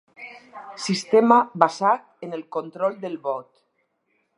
Sistema basat en el control del vot.